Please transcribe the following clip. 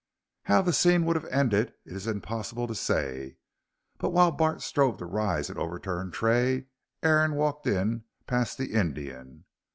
How the scene would have ended it is impossible to say, but while Bart strove to rise and overturn Tray, Aaron walked in past the Indian.